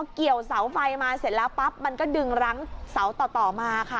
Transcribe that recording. เกี่ยวเสาไฟมาเสร็จแล้วปั๊บมันก็ดึงรั้งเสาต่อมาค่ะ